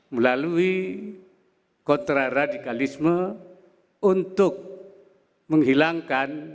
melalui kontraradikalisme untuk menghilangkan